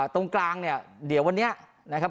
ตรงกลางเนี่ยเดี๋ยววันนี้นะครับ